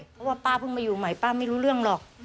เพราะว่าป้าเพิ่งมาอยู่ใหม่ป้าไม่รู้เรื่องหรอก